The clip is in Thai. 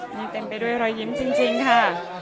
หนึ่งเต็มไปด้วยรอยยิ้มจริงจริงค่ะ